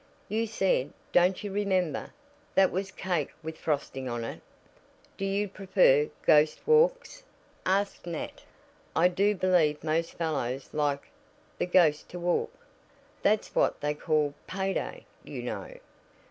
You said, don't you remember, that was cake with frosting on it." "Do you prefer ghost walks?" asked Nat. "I do believe most fellows like 'the ghost to walk.' That's what they call pay day, you know."